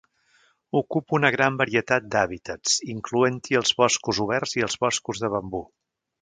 Ocupa una gran varietat d'hàbitats, incloent-hi els boscos oberts i els boscos de bambú.